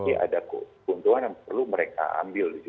pasti ada keuntungan yang perlu mereka ambil gitu